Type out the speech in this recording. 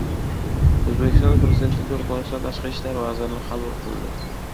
O‘zbekiston Prezidenti Turkmaniston tashqi ishlar vazirini qabul qildi